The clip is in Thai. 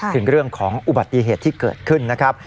ถึงเรื่องของอุบัติเหตุที่เกิดขึ้นนะครับ